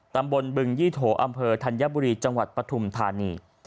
บึงยี่โถอำเภอธัญบุรีจังหวัดปฐุมธานี